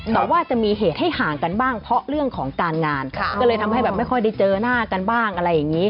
แต่ว่าจะมีเหตุให้ห่างกันบ้างเพราะเรื่องของการงานก็เลยทำให้แบบไม่ค่อยได้เจอหน้ากันบ้างอะไรอย่างนี้